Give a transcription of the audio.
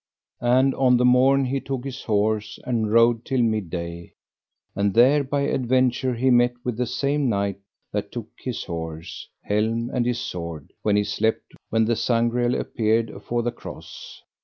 And on the morn he took his horse and rode till mid day; and there by adventure he met with the same knight that took his horse, helm, and his sword, when he slept when the Sangreal appeared afore the Cross.